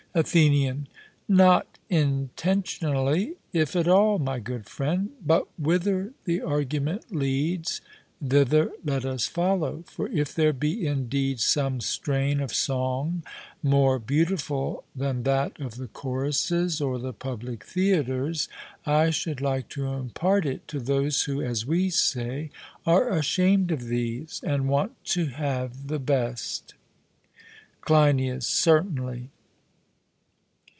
ATHENIAN: Not intentionally, if at all, my good friend; but whither the argument leads, thither let us follow; for if there be indeed some strain of song more beautiful than that of the choruses or the public theatres, I should like to impart it to those who, as we say, are ashamed of these, and want to have the best. CLEINIAS: Certainly.